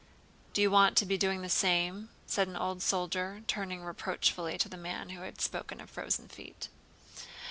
"Do you want to be doing the same?" said an old soldier, turning reproachfully to the man who had spoken of frozen feet.